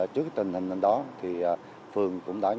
trước tình hình đó thì phường cũng đạt được